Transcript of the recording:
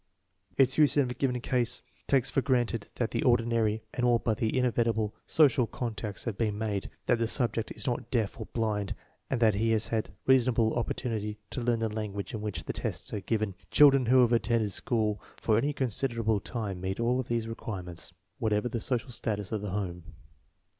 Its use in a given case takes for granted that the ordinary and all but inevitable social contacts have been made, that the subject is not deaf or blind, and that he has had reasonable opportunity to learn the language in which the tests are given. Children who have attended school for any considerable time meet all of these requirements, whatever the social status of the home.